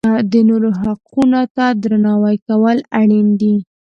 د نورو حقونو ته درناوی کول اړین دي.